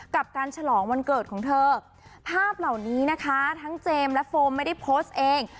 กับการฉลองวันเกิดของเธอภาพเหล่านี้นะคะทั้งเจมส์และโฟมไม่ได้โพสต์เอง